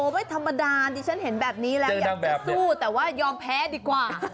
ไม่ธรรมดาดิฉันเห็นแบบนี้แล้วอยากจะสู้แต่ว่ายอมแพ้ดีกว่า